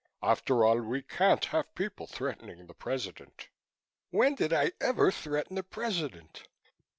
After all, we can't have people threatening the President." "When did I ever threaten the President?"